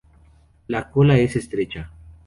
La cola es estrecha.